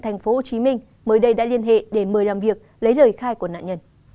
thành phố hồ chí minh mới đây đã liên hệ để mời làm việc lấy lời khai của nạn nhân